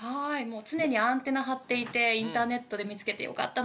もう常にアンテナ張っていてインターネットで見つけてよかったなと思いました。